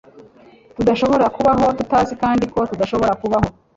tudashobora kubaho tutazi kandi ko tudashobora kubaho.